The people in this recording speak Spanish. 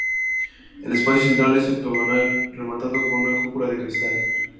El espacio central es octogonal rematado con una cúpula de cristal.